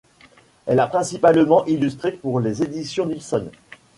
Elle a principalement illustré pour les éditions Nilsson.